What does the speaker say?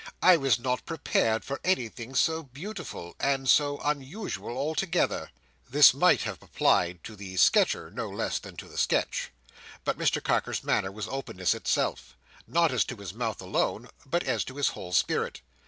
"I was not prepared for anything so beautiful, and so unusual altogether." This might have applied to the sketcher no less than to the sketch; but Mr Carker's manner was openness itself—not as to his mouth alone, but as to his whole spirit.